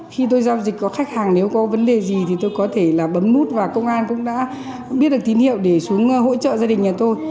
khi tôi giao dịch có khách hàng nếu có vấn đề gì thì tôi có thể là bấm mút và công an cũng đã biết được tín hiệu để xuống hỗ trợ gia đình nhà tôi